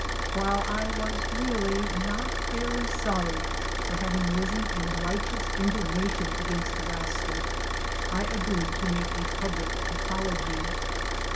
While I was really not very sorry for having risen in righteous indignation against the rascal, I agreed to make a public apology.